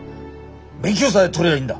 免許さえ取りゃいいんだ。